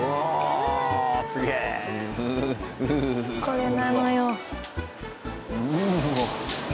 これなのよ。